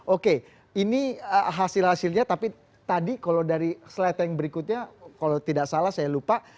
oke ini hasil hasilnya tapi tadi kalau dari slide yang berikutnya kalau tidak salah saya lupa